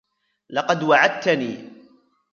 لقد وعدتني.